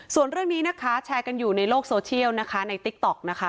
ส่วนเรื่องนี้นะคะแชร์กันอยู่ในโลกโซเชียลนะคะในติ๊กต๊อกนะคะ